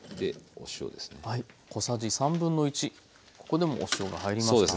ここでもお塩が入りました。